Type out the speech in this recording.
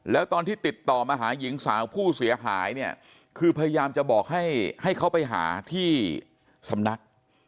แล้วตอนที่ติดต่อมาหาหญิงสาวผู้เสียหายเนี่ยคือพยายามจะบอกให้เขาไปหาที่สำนัก